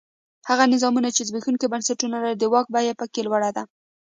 هغه نظامونه چې زبېښونکي بنسټونه لري د واک بیه په کې لوړه ده.